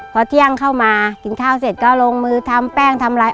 พอเที่ยงเข้ามากินข้าวเสร็จก็ลงมือทำแป้งทำร้าย